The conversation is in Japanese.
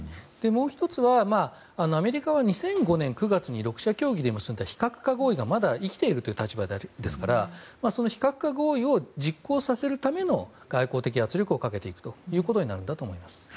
もう１つは、アメリカは２００５年９月に協議で結んだ非核化合意がまだ生きている立場なのでその非核化合意を実行させるための外交的圧力をかけていくということになるんだと思います。